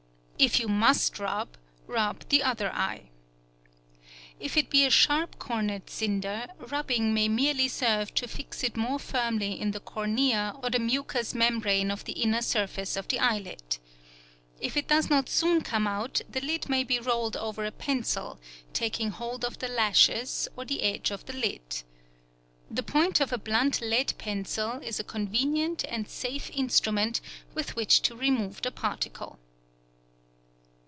If you must rub, rub the other eye. If it be a sharp cornered cinder, rubbing may merely serve to fix it more firmly in the cornea or the mucous membrane of the inner surface of the eyelid. If it does not soon come out, the lid may be rolled over a pencil, taking hold of the lashes or the edge of the lid. The point of a blunt lead pencil is a convenient and safe instrument with which to remove the particle.